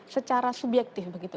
secara subyektif begitu